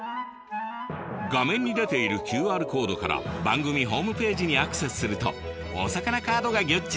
画面に出ているＱＲコードから番組ホームページにアクセスするとおさかなカードがギョっ